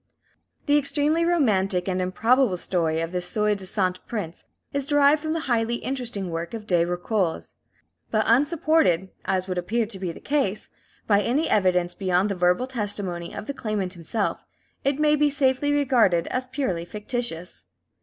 The extremely romantic and improbable story of this soi disant prince is derived from the highly interesting work of De Rocoles; but unsupported, as would appear to be the case, by any evidence beyond the verbal testimony of the claimant himself, it may be safely regarded as purely fictitious.